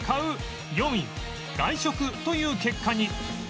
４位外食という結果に